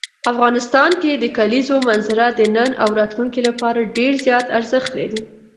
افغانستان کې د کلیزو منظره د نن او راتلونکي لپاره ډېر زیات ارزښت لري.